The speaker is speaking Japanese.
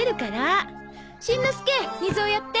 しんのすけ水をやって。